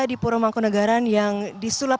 di purwomangkunagaran yang disulap